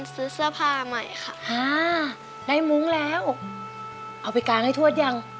ซื้อเสื้อผ้าใหม่ค่ะอ่าได้มุ้งแล้วเอาไปกางให้ทวดยัง